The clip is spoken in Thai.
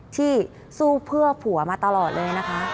ที่สู้เพื่อผัวมาตลอดเลยนะคะ